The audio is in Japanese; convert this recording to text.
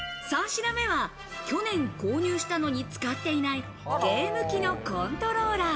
３品目は去年購入したのに使っていない、ゲーム機のコントローラー。